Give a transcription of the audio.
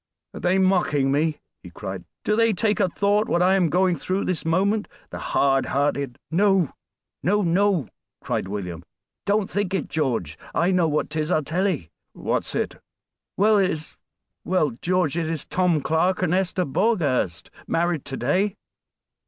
"Are they mocking me?" he cried. "Do they take a thought what I am going through this moment, the hard hearted " "No, no, no!" cried William; "don't think it, George; I know what 'tis I'll tell ye." "What's it?" "Well, it is well, George, it is Tom Clarke and Esther Borgherst married to day.